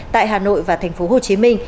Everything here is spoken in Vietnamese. tại hà nội và tp hcm